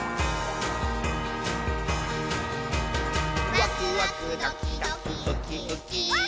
「ワクワクドキドキウキウキ」ウッキー。